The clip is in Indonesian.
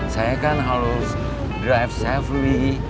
saya kan harus drive safely